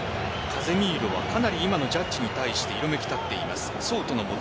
カゼミーロはかなり今のジャッジに対して色めき立っています。